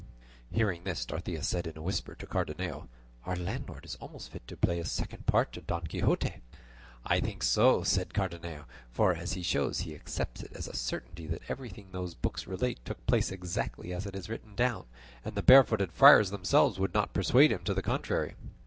Hearing this Dorothea said in a whisper to Cardenio, "Our landlord is almost fit to play a second part to Don Quixote." "I think so," said Cardenio, "for, as he shows, he accepts it as a certainty that everything those books relate took place exactly as it is written down; and the barefooted friars themselves would not persuade him to the contrary."